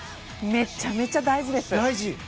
めちゃくちゃ大事です。